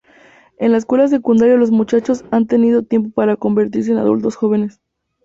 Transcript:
En la escuela secundaria los muchachos han tenido tiempo para convertirse en adultos jóvenes.